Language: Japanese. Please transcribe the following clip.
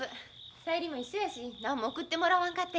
小百合も一緒やしなんも送ってもらわんかて。